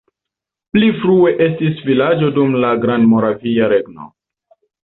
Pli frue estis vilaĝo dum la Grandmoravia Regno.